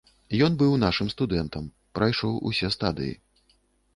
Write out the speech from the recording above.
Ён быў нашым студэнтам, прайшоў усе стадыі.